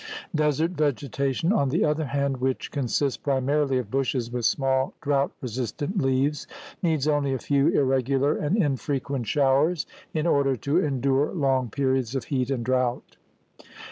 Desert vegetation, on the other hand, which consists primarily of bushes with small, drought resistant leaves, needs only a few irregular and in frequent showers in order to endure long periods of heat and drought.